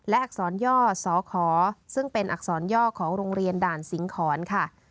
และอักษรย่อสขซึ่งเป็นอักษรย่อของโรงเรียนด่านสิงหอนค่ะ